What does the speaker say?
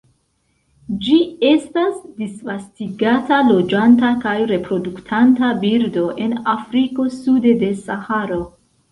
Ĝi estas disvastigata loĝanta kaj reproduktanta birdo en Afriko sude de Saharo.